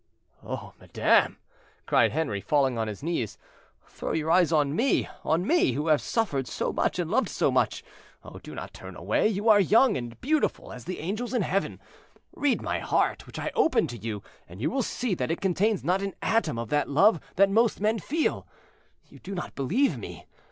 "Oh, madame!" cried Henri, falling on his knees, "throw your eyes on me—on me, who have suffered so much and loved so much. Oh, do not turn away; you are young, and beautiful as the angels in heaven; read my heart, which I open to you, and you will see that it contains not an atom of that love that most men feel. You do not believe me?